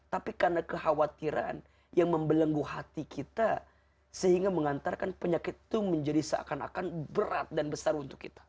tapi karena kekhawatiran yang membelenggu hati kita sehingga mengantarkan penyakit itu menjadi seakan akan berat dan besar untuk kita